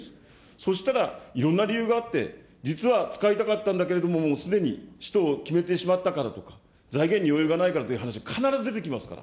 そしたら、いろんな理由があって、実は使いたかったんだけれども、もうすでに使途を決めてしまったからとか、財源に余裕がないからという話、必ず出てきますから。